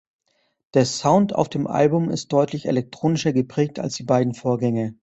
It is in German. Der Sound auf dem Album ist deutlich elektronischer geprägt als die beiden Vorgänger.